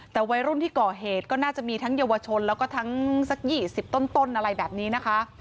แต่วัยรุ่นที่ก่อเหตุก็น่าจะมีทั้งเยาวชนแล้วก็ทั้งสัก๒๐ต้นอะไรแบบนี้นะคะ